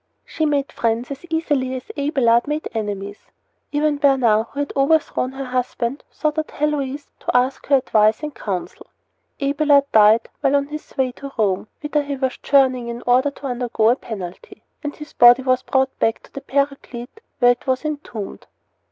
She made friends as easily as Abelard made enemies. Even Bernard, who had overthrown her husband, sought out Heloise to ask for her advice and counsel. Abelard died while on his way to Rome, whither he was journeying in order to undergo a penalty; and his body was brought back to the Paraclete, where it was entombed.